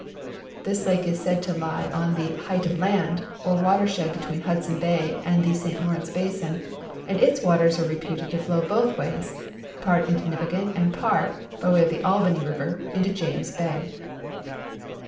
This lake is said to lie on the " Height of Land " or watershed between Hudson bay and the St Lawrence basin, and its waters are reputed to flow both ways, part into Nipigon and part, by way of the Albany river, into James bay.